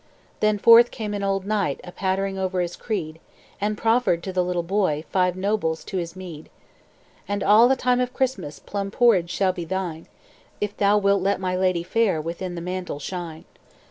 "Then forth came an old knight A pattering o'er his creed, And proffered to the little boy Five nobles to his meed: "'And all the time of Christmas Plum porridge shall be thine, If thou wilt let my lady fair Within the mantle shine.'